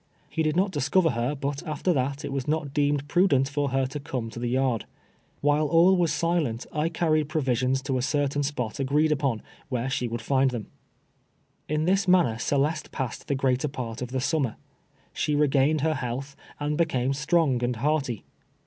lie did not discover her, but after that it was not deemed prudent for her to come to the yard. When all was silent I carried j)rovisions to a certain spot agreed upon, where she would iind them. In this manner Celeste passed the greater part of the summer. She regained her health, and became strong and hearty.